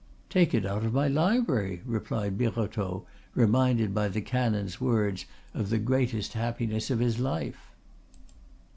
"Take it out of my library," replied Birotteau, reminded by the canon's words of the greatest happiness of his life.